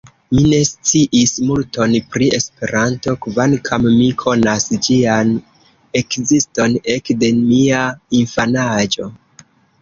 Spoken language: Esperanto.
Mi ne sciis multon pri Esperanto, kvankam mi konas ĝian ekziston ekde mia infanaĝo.